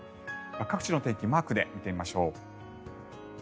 各地の天気マークで見てみましょう。